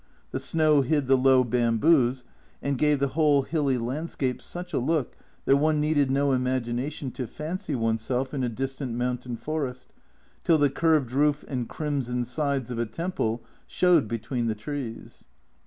The snow hid the low bamboos and gave the whole hilly landscape such a look that one needed no imagination A Journal from Japan 259 to fancy oneself in a distant mountain forest, till the curved roof and crimson sides of a temple showed between the trees.